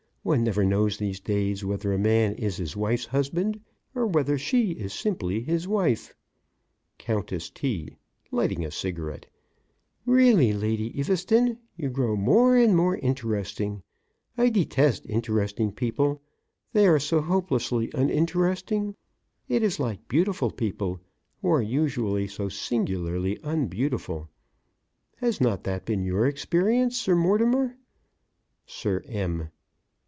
One never knows these days whether a man is his wife's husband or whether she is simply his wife. COUNTESS T. (lighting a cigarette): Really, Lady Eaveston, you grow more and more interesting. I detest interesting people; they are so hopelessly uninteresting. It is like beautiful people who are usually so singularly unbeautiful. Has not that been your experience, Sir Mortimer? SIR M.